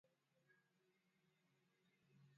Vitunguu swaumu vilivyo sagwa Ukubwa wa kati mbili